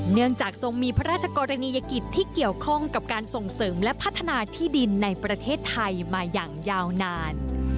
เนื่องจากทรงมีพระราชกรณียกิจที่เกี่ยวข้องกับการส่งเสริมและพัฒนาที่ดินในประเทศไทยมาอย่างยาวนาน